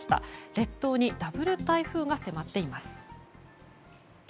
列島にダブル台風が迫っています。